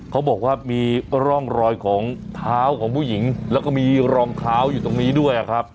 เขาบอกว่ามีร่องรอยของเท้าของผู้หญิงแล้วก็มีรองเท้าอยู่ตรงนี้ด้วยครับ